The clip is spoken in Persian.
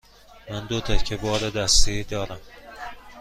من دو تکه بار دستی دارم.